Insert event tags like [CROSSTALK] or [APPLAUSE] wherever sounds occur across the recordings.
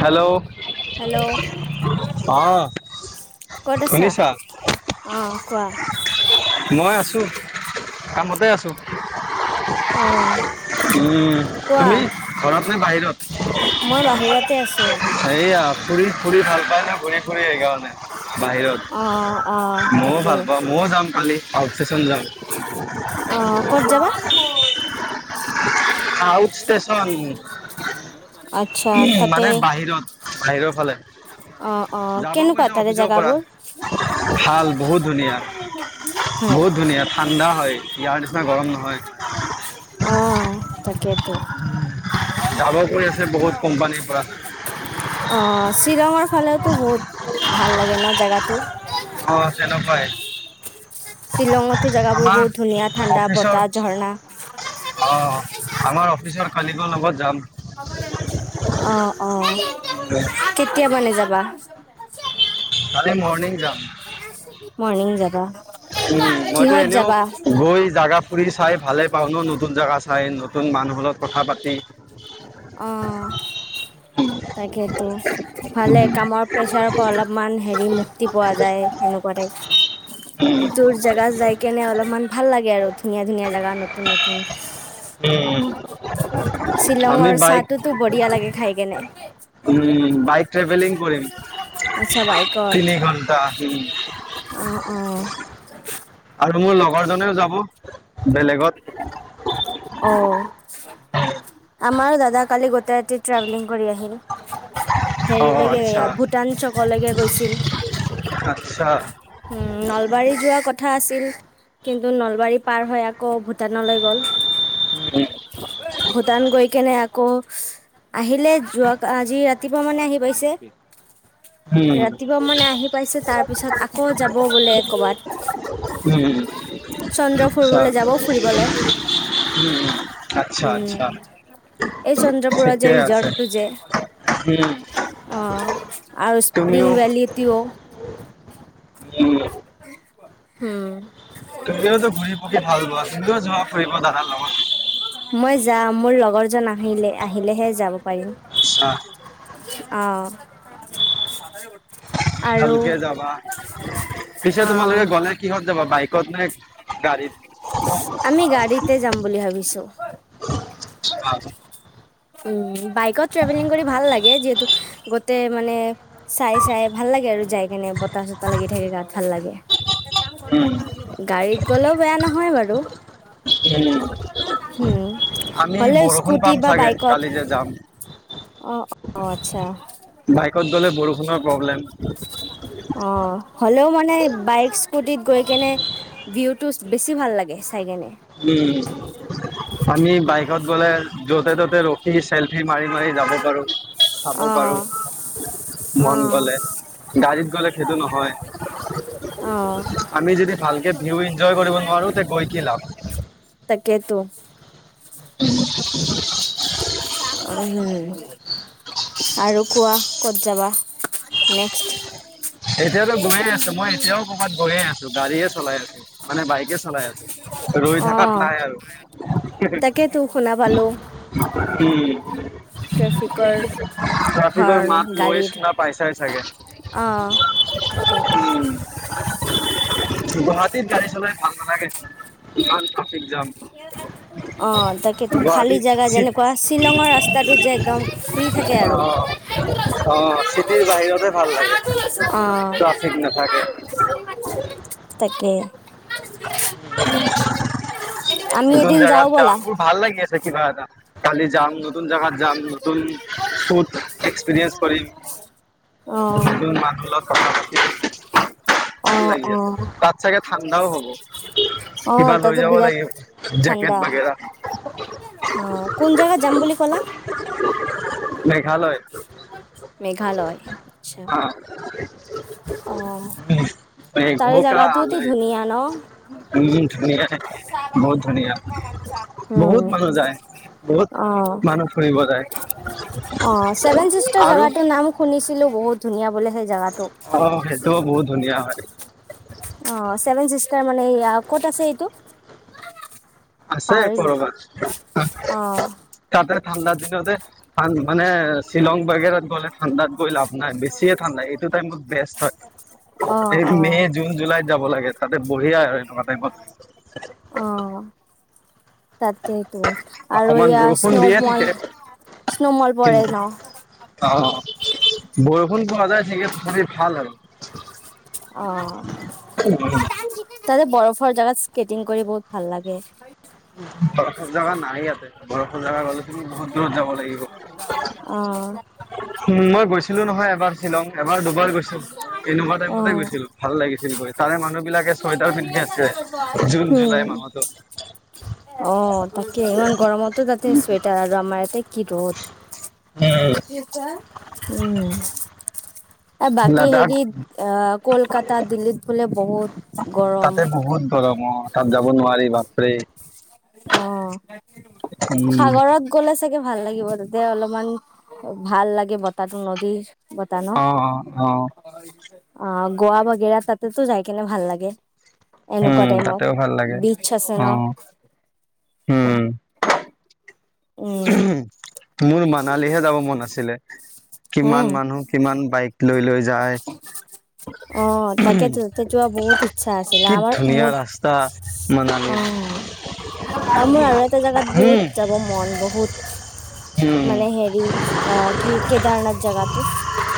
Hello hello অহ কত আছা শুনিছা? অ' কোৱা। উ মই আছোঁ কামতে আছোঁ অ', কোৱা তুমি ঘৰত নে বাহিৰত মই বাহিৰতে আছো এইয়া ফুৰি ফুৰি ভাল পাই ন ঘূৰি ফুৰি সেইকাৰণে। বাহিৰত আহ আহ ময়ো তাকে ভাল পাওঁ ময়ো যাম আউট ষ্টেচন যাম। অ', আউট ষ্টেচন উম মানে বাহিৰত বাহিৰৰ ফালে অ', অ', যাব কেনেকুৱা কৈছোঁ তাৰে অফিচৰ পৰা জেগাবোৰ? ভাল বহুত ধুনীয়া হয়। বহুত ধুনীয়া ঠাণ্ডা হয় ইয়াৰ নিচিনা গৰম নহয়। অ' তাকেইেতো যাব কৈ আছো। অ' চি মোৰ ফালেও টো বহুত ভাল লাগে ন' জেগাতো। অ', শ্বিলঙতো তেনেকুৱাই জেগাবোৰ আমাৰ বহুত ধুনীয়া ঠাণ্ডা অফিচৰ বতাহ অ', ঝৰ্ণা। আমাৰ অফিচৰ মালিকৰ লগত যাম। অ', অ', কেতিয়া মানে যাব? বা কালি মৰ্নিং যাম। মৰ্ণিং যাবা। উম, মইতো কিহত এনেও যাবা গৈ জাগা ফুৰি চাই ভালে পাওঁ ন নতুন জাগা চাই নতুন মানুহ লগত কথা পাত অ', তাকেতো ভালে কামৰ প্ৰেচাৰৰ পৰা অলপমান হেৰি মুক্তি পোৱা যায় সেনেকুৱা উম, [INAUDIBLE] দূৰ জেগাত যাই কেনে অলপমান ভাল লাগে আৰু ধুনীয়া ধুনীয়া জাগা নতুন নতুন। উম। আমি শ্বিলঙৰ বাইক চাহটোতো বঢ়িয়া লাগে খাই কেনে, উম, বাইক ট্ৰেভেলিং কৰিম আচ্ছা বাইকত, তিনি ঘন্টা উম, অ', অ'। [INAUDIBLE] আৰু মোৰ লগৰ জনেও যাব। বেলেগত [INAUDIBLE] আমাৰো দাদা কালি গোটে ৰাতি ট্ৰেভেলিং কৰি আহিল। অ' হেৰিলৈকে আচ্ছা, এয়া ভূটান চকলৈকে গৈছিল, আচ্ছা। উম, নলবাৰী যোৱা কথা আছি কিন্তু নলবাৰী পাৰ হয় আ আকৌ ভূটানলৈ গ'ল। উম, ভূটান গৈ কেনে আকৌ আহিলে যোৱা আজি ৰাতিপুৱা মানে আহি পাইছে। উম, ৰাতিপুৱা মানে আহি পাইছে, তাৰ পিছত আকৌ যাব বোলে কবাত উম, চন্দ্ৰ আচ্ছা, ফুুৰবলৈ উম, আচ্ছা, উম, আচ্ছা এই চন্দ্ৰপুৰৰ যে ঠিকেই আছে, ৰিজৰ্টটো যে হুম। ৰিং ভেলিতিও। উম। হুম। তুমিওতো ঘূৰি পকি ভাল পোৱা তুমিও যোৱা ফুৰিব দাদাৰ লগত মই যাম মোৰ লগৰ জন আহিলে, আহিলেহে যাব পাৰিম, আচ্ছা অ'। আৰু ভালকে যাবা পিছে তোমালোকে অ', গ'লে কিহত যাবা? বাইকত নে গাড়ীত আমি গাড়ীতে যাম বুলি ভাবিছোঁ। উম। বাইকত ট্ৰেভেলিং কৰি ভাল লাগে, যিহেতু গোটেই মানে চাই, চাই ভাল লাগে, আৰু যাই কেনে বতাহ-চতাহ লাগি থাকে গাত, ভাল লাগে। উম, [UNINTELLIGIBLE] গাড়ীত গ'লেও বেয়া নহয় বাৰু, হুম আমি হ'লেও বৰষুণ স্কুটি পাম বা চাগে বাইকত, কালি যে যাম অ', অ' আচ্ছা বাইকত গ'লে বৰষুণৰ প্ৰব্লেম অ' হ'লেও মানে বাইকচ স্কুটিত গৈ কেনে, ভিউটোচ বেছি ভাল লাগে। চাই কেনে উম, আমি বাইকত গ'লে য'তে-ত'তে ৰখি চেল উঠি মাৰি, মাৰি যাব পাৰো, চাব অ পাৰো অ মন গ'লে, গাড়ীত গ'লে সেইটো নহয়, অ আমি যদি ভালকে ভিউ এঞ্জয় কৰিব নোৱাৰো তে গৈ কি লাভ? তাকেতো। [UNINTELLIGIBLE] উহুম। [UNINTELLIGIBLE] আৰু কোৱা, ক'ত যাবা নেক্সট। এতিয়াতো গৈয়ে আছো, মই এতিয়াও ক'ৰবাত গৈয়ে আছো, গাড়ীয়ে চলাই আছো, মানে বাইকে চলাই আছো, ৰৈ থকাত অ', নাই আৰু, হু হু। তাকেতো শুনা পালো। উম। ট্ৰেফিকৰ ট্ৰেফিকৰ হৰ্ণ মাত নৈ, গাড়ীৰ। চুনা পাইছাই চাগে। উম, অ', তাকেতো গুৱাহাটীত গাড়ী চলাই ভাল নালাগে। ইমান [UNINTELLIGIBLE] অ', তাকেতো খালী গুৱাহাটীত জেগা চিট যেনেকুৱা, শ্বিলঙৰ ৰাস্তাটো যে একদম, ফ্ৰী থাকে অ আৰু অ চিটিৰ বাহিৰতে ভাল লাগে ট্ৰাফিক নাথাকে [UNINTELLIGIBLE] অ' তাকে। [INAUDIBLE] নতুন এদিন যাওঁ জেগাত যাম, ব'লা। মোৰ ভাল লাগি আছে। কিবা এটা, কালি যাম, নতুন জেগাত যাম, নতুন ফুড এক্সপিৰিয়েঞ্চ কৰিম, অ', নতুন মানুহ লগত কথা পাতিম, ভাল অ', লাগি আছে, অ', তাত চাগে ঠাণ্ডাও হ'ব। অ', কিবা লৈ তাতে যাব বিৰাট লাগিব, জেকেট ঠাণ্ডা বাগেৰা। অ', কোন জেগাত যাম বুলি ক'লা? মেঘালয় মেঘালয়, আচ্ছা। অ অ'। তাৰে জাগাটোতো ন? [UNINTELLIGIBLE] ধুনীয়া [UNINTELLIGIBLE] উম ধুনীয়া বহুত ধুনীয়া বহুত উম, মানুহ যায় বহুত অ', মানুহ ফুৰিব যায় অ' চেভেন চিষ্টাৰ আৰু জেগাটোৰ নাম শুনিছিলোঁ, বহুত ধুনীয়া বুলে সেই জাগাটো অ' সেইটোও বহুত ধুনীয়া হয়। অ', ছেভেন চিষ্টাৰ মানে এয়া ক'ত আছে এইটো? আছে পাহৰিলো ক'ৰবাত, অ তাতে ঠাণ্ডা দিনতে [UNINTELLIGIBLE] মানে শ্বিলং বাগেৰাত গ'লে ঠাণ্ডাত গৈ লাভ নাই, বেছিয়ে ঠাণ্ডা। এইটো টাইমত বেষ্ট হয়, অ এই অ মে' জুন জুলাইত যাব লাগে তাত। বঢ়িয়াই হয়। অ'। তাতেইটো, আৰু অকমান এইয়া বৰষুণ দিয়ে স্নোমল, থাকে স্নোমল পৰে কিন্তু ন। বৰষুণ পোৱা যায় [UNINTELLIGIBLE] তথাপি ভাল আৰু। অ' তাতে বৰফ ফৰ জেগাত স্কেটিং কৰি বহুত ভাল লাগে। অ' জেগা নাই ইয়াতে। বৰফৰ জেগা গ'লে তুমি বহুত দূৰত যাব লাগিব। অ উম মই গৈছিলো নহয় এবাৰ শ্বিলং, এবাৰ দুবাৰ গৈছো এনেকুৱা অ টাইমতে গৈছিলো। ভাল লাগিছিল গৈ তাৰে মানুহ বিলাকে চুৱেটাৰ পিন্ধি আছিলে জুন জুলাই হম মাহতো। অ' তাকে ইমান গৰমত। ত' তাতে চুৱেটা আৰু আমাৰ ইয়াতে কি ৰ'দ। দেউতা। উম। এ বাকি লাডাখ হেৰিত আ কলকাতা দিল্লীত বোলে বহুত গৰম। তাতে বহুত গৰম অ' তাত যাব নোৱাৰিবা। তেই। অ। উম সাগৰত গ'লে চাগে ভাল লাগিব তাতে অলপমান ভাল লাগে বতাহটো নদীৰ বতাহ ন'। অ অ অ অ গোৱা বাগেৰা তাতেতো যাই কেনে ভাল লাগে। এনেকুৱা উম টাইমত তাতেও ভাল লাগে বিচ আছে অ ন'। উম। উম মোৰ মানালীহে যাব মন আছিলে। হে। কিমান মানুহ কিমান বাইক লৈ লৈ যায় অ' তাকেটো তেত যোৱা বহুত ইচ্ছা আছিলে। কি ধুনীয়া আমাৰ-মোৰ ৰাস্তা মানালীৰ অ' মোৰ আৰু এটা জোগাত বহুত উম যাব মন। বহুত। উম মানে হেৰি অ কি কেদাৰনাথ জেগাটো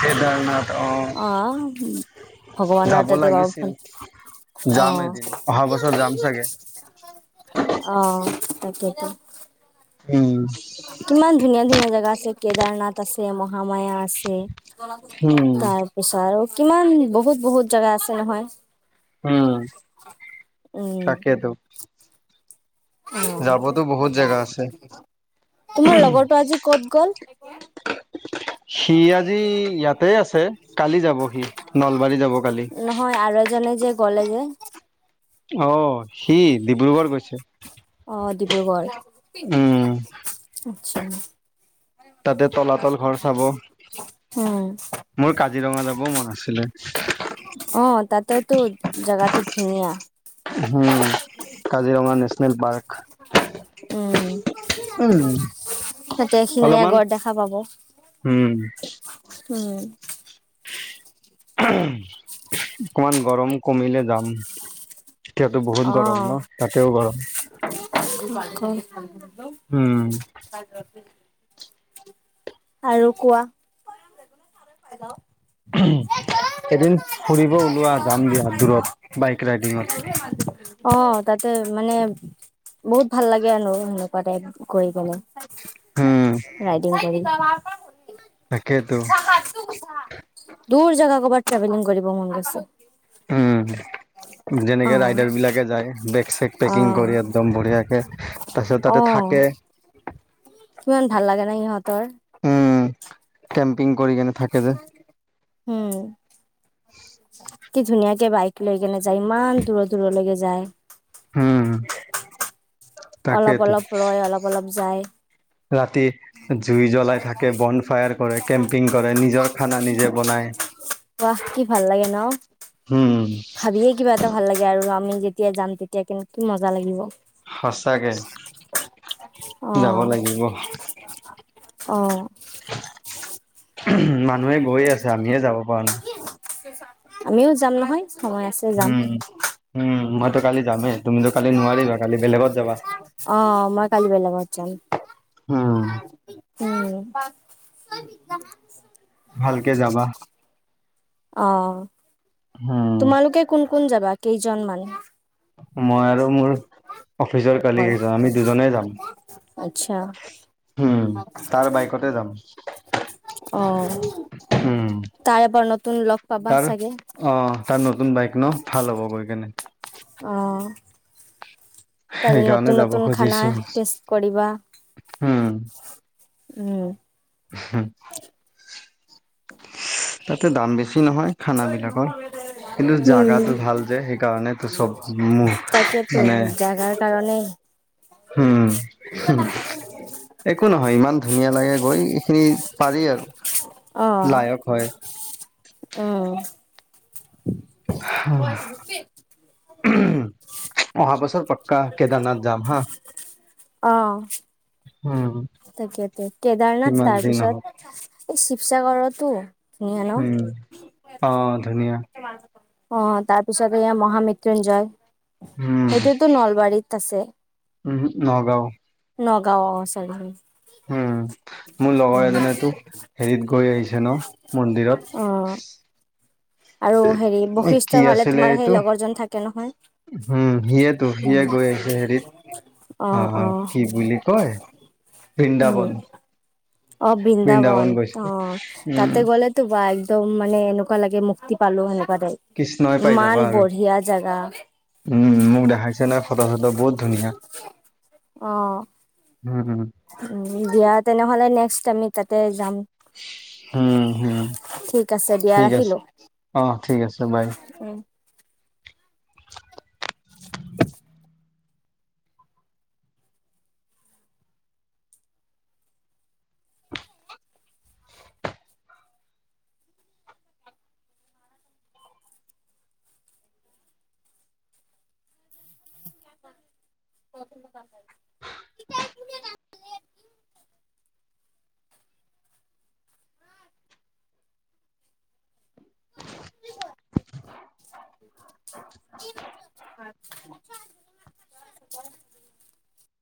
কেদাৰনাথ অ' ভগৱানৰ যাব তাতে পাব লাগিছিল ফোন অ যাম এদিন অহা বছৰ যাম চাগে অ' তাকেতো। উম কিমান ধুনীয়া ধুনীয়া জেগা আছিল কেদাৰনাথ আছে [UNINTELLIGIBLE] হামায়া আছে উম তাৰপিছত আৰু, কিমান বহুত বহুত জেগা আছে নহয়। উম উম তাকেতো, যাবতো বহুত জেগা আছে তোমাৰ লগৰটো আজি কত গ'ল। সি আজি ইয়াতে আছে কালি যাব সি নলবাৰী যাব কালি নহয়, আৰু এজন [UNINTELLIGIBLE] যে, গ'লে যে অ', সি ডিব্ৰুগড় গৈছে। অ', ডিব্ৰুগড়। উম [UNINTELLIGIBLE] তাতে তলাতল ঘৰ চাব, উম মোৰ কাজিৰঙা যাবও মন আছিলে। টোত জাগাটো ধুনীয়া। উম কাজিৰঙা নেচনেল পাৰ্ক উম, উম, তাতে এশিঙীয়া অলপমান গঁড় দেখা পাব, উম, উম। অকমান গৰম কমিলে যাম। এতিয়াতো বহুত গৰম অ', ন, তাতেও গৰম। উম, আৰু কোৱা এদিন ফুৰিব ওলোৱা যাম দিয়া, দূৰত বাইক ৰাইডিঙত। অ', তাতে মানে বহুত ভাল লাগে আৰু সেনেকুৱা টাইপ কৰি কেনে। উম, ৰাইডিং কৰি। [UNINTELLIGIBLE] তাকেইতো। [UNINTELLIGIBLE] দূৰ জাগা কবাত ট্ৰেভেলিং কৰিব মন গৈছে। উম, যেনেকে অ', ৰাইডাৰ বিলাকে যায়, বেগ-চেগ পেকিং অ', কৰি একদম বঢ়িয়াকে তাৰ পিছত তাতে অ' থাকে। কিমান ভাল লাগে ন সিহঁতৰ? উম, কেম্পিং কৰি কেনে থাকে যে হুম। কি ধুনীয়াকে বাইক লৈ কেনে যায় ইমান দূৰৰ-দূৰলৈকে যায়। উম, [UNINTELLIGIBLE] অলপ তাকেইতো অলপ ৰয় অলপ অলপ যায়। ৰাতি জুই জ্বলাই থাকে বন ফায়াৰ কৰে কেম্পিং কৰে, নিজৰ খানা নিজে বনায়। বাহ কি ভাল লাগে ন? উম, ভাবিয়ে কিবা এটা ভাল লাগে আৰু আমি যেতিয়া যাম, তেতিয়া কিন্ত কি মজা লাগিব। সচাকে, অ যাব লাগিব। মান অ মানুহে গৈয়ে আছে আমিয়ে যাব পৰা নাই [UNINTELLIGIBLE] আমিও যাম নহয় সময় আছে যাম উম উম মইতো কালি যামেই তুমিতো কালি নোৱাৰিবা কালি বেলেগত যাবা [INAUDIBLE] অ মই কালি [UNINTELLIGIBLE] উম! উম [UNINTELLIGIBLE] ভালকে যাবা অ' উম, তোমালোকে কোন কোন যাবা কেইজন মান মই আৰু মোৰ অফিচৰ লগৰ কালিগ এজন আমি দুজনে যাম আচ্ছা উ [INAUDIBLE] তাৰ বাইকতে যাম অ উম, তাৰে পৰণত তুন লগ পাবা তাৰ চাগে অ', তাৰ নতুন বাইক ন ভাল হ'ব গৈ [UNINTELLIGIBLE] কেনে আহ তাৰে সেইকাৰণে নতুন যাব নতুন খানা খুজিছো চেষ্ট কৰিবা [INAUDIBLE] উম হু [UNINTELLIGIBLE] তাতে দাম বেছি নহয় খানাবিলাকৰ, কিন্তু জাগাটো ভাল যে সেইকাৰণোটো চব মোৰ তাকেতো মানে জাগাৰ কাৰণে উম [UNINTELLIGIBLE] একো নহয় ইমান ধুনীয়া লাগে গৈ এইখিনি পাৰি আৰু অ লায়ক হয় উম [UNINTELLIGIBLE] [UNINTELLIGIBLE] অহা বছৰ প কা কেদাৰনাথ যাম হা আহ উম তাকেতে কেদাৰনাথ যিমান তাৰ যি নহওক পিছত এই শিৱসাগৰতো [UNINTELLIGIBLE] অ উম অ ধুনীয়া তাৰ পিছত এয়া মহামৃত্যুঞ্জয় সেইটোতো নলবাৰীত তাছে উহু নগাঁও নগাঁৱ অঁ চাৰিআলি উম মোৰ লগৰ এজনেতো হেৰিত গৈ আহিছে ন মন্দিৰত অ' আৰু হেৰি এ কি বশিষ্ঠ ফালে আছিলে তোমাৰ সেই এইটো লগৰজন থাকে নহয় উম সিয়েতো সিয়ে উম গৈ আহিছে হেৰিত অ', অ' কি বুলি কয় বৃন্দাবন উম। অ' বৃন্দাবন অ' উম তাতে গলেতো [UNINTELLIGIBLE] ত' মানে এনেকুৱা লাগে মুক্তি পালো হেনেকে কৃষ্ণই পাই যাবা আৰু জাগা উম মোক দেখাইছে নহয় ফটো চটো বহুত ধুনীয়া। অ' উম উম। উম, দিয়া তেনেহ'লে নেক্সট আমি তাতে যাম। উম, হুম, ঠিক আছে দিয়া ঠিক আছে। ৰাখিলো অ', ঠিক আছে বাই। উম। [UNINTELLIGIBLE] [UNINTELLIGIBLE]